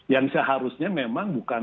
yang seharusnya memang bukan